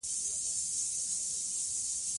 مصدر د فعل مانا ښيي.